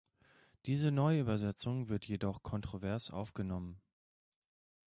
Diese Neuübersetzung wird jedoch kontrovers aufgenommen.